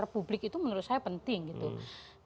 karena itu perang republik itu menurut saya penting gitu